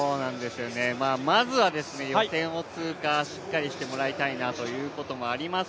まずは予選を通過しっかりしてもらいたいなということもあります